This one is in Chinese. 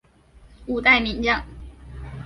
五代名将。